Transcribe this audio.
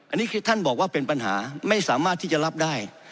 อันนี้คือท่านบอกว่าเป็นปัญหาไม่สามารถที่จะรับได้